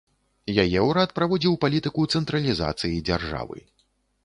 Яе ўрад праводзіў палітыку цэнтралізацыі дзяржавы.